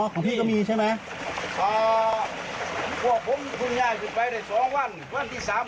อ๋อของพี่ก็มีใช่ไหมครับนี่ครับนี่ครับนี่ครับนี่ครับนี่ครับนี่ครับนี่ครับนี่ครับ